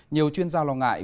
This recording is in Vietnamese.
nhiều chuyên gia lo ngại